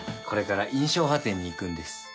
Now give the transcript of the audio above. これから『印象派展』に行くんです。